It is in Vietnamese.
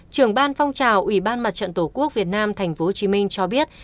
trưởng ban phong trào ủy ban mặt trận tổ quốc việt nam tp hcm cho biết